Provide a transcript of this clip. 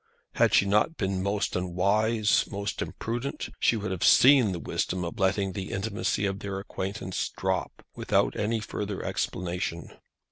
Had she not been most unwise, most imprudent, she would have seen the wisdom of letting the intimacy of their acquaintance drop without any further explanation.